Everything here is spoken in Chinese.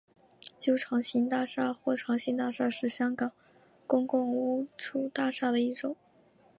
旧长型大厦或长型大厦是香港公共屋邨大厦的一种。